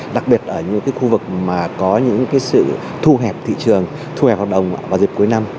đặc biệt ở những khu vực mà có những sự thu hẹp thị trường thu hẹp hoạt động vào dịp cuối năm